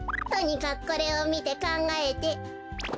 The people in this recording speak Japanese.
とにかくこれをみてかんがえて。